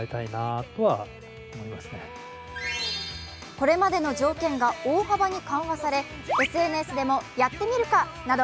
これまでの条件が大幅に緩和されＳＮＳでもやってみるか！など